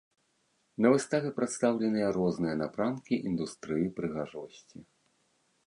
На выставе прадстаўленыя розныя напрамкі індустрыі прыгажосці.